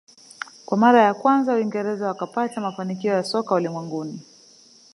Kwa mara ya kwanza uingereza wakapata mafanikio ya soka ulimwenguni